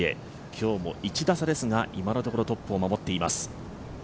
今日も１打差ですが、今のところトップを守っています。